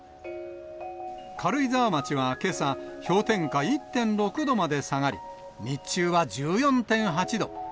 軽井沢町はけさ、氷点下１．６度まで下がり、日中は１４．８度。